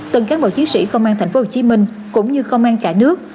từng cán bộ chiến sĩ công an tp hcm cũng như công an cả nước